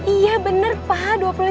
iya bener pak